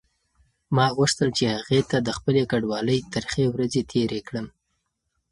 ما غوښتل چې هغې ته د خپلې کډوالۍ ترخې ورځې تېرې کړم.